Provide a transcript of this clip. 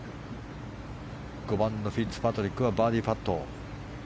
５番のフィッツパトリックはバーディーパット。